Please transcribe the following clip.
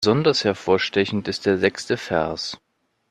Besonders hervorstechend ist der sechste Vers.